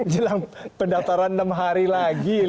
jelang pendaftaran enam hari lagi